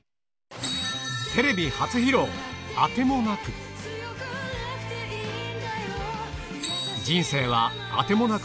テレビ初披露、あてもなく。